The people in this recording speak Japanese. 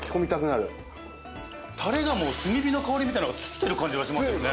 タレがもう炭火の香りみたいなのがついてる感じがしますよね。